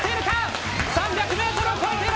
３００ｍを超えている。